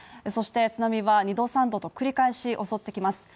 そして津波は２度３度と繰り返し襲ってきます。